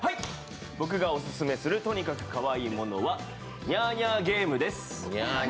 僕がオススメするとにかくかわいいものは「ニャーニャーゲーム」です。